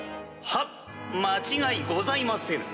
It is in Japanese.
はっ間違いございませぬ。